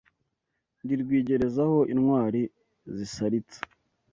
Ndi Rwigerezaho intwali zisalitse